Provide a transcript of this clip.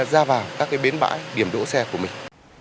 ra vào các bến bãi điểm đỗ xe của mình